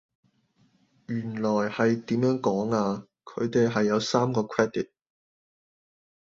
原來係點樣講啊，佢哋係有三個 Credit